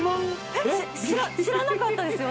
えっ知らなかったですよ